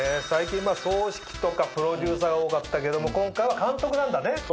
最近総指揮とかプロデューサーが多かったけども今回は監督なんだね。